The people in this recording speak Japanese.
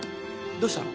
どうしたの？